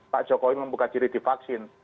pak jokowi membuka jiri di vaksin